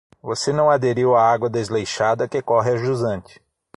Você não aderiu à água desleixada, que corre a jusante.